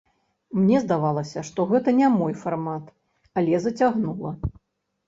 Мне здавалася, што гэта не мой фармат, але зацягнула.